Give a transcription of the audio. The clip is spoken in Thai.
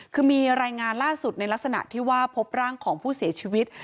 คือมีรายงานล่าสุดในลักษณะที่ว่าพบร่างของผู้เสียชีวิต